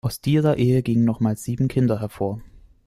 Aus dieser Ehe gingen nochmals sieben Kinder hervor.